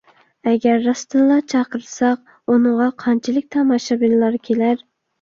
ئەگەر راستتىنلا چاقىرتساق، ئۇنىڭغا قانچىلىك تاماشىبىنلار كېلەر؟